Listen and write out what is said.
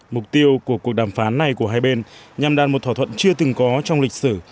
mục tiêu của cuộc đàm phán này của hai bên nhằm đạt một thỏa thuận chưa từng có trong lịch sử